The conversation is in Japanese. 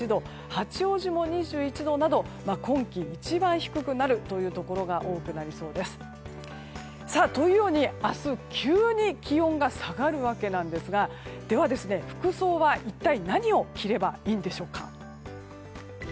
八王子も２１度など今季一番低くなるところが多くなりそうです。というように明日急に気温が下がるわけですがでは、服装は一体何を着ればいいんでしょうか。